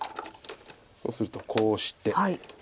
そうするとこうして。